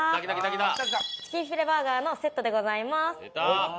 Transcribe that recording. チキンフィレバーガーのセットでございます。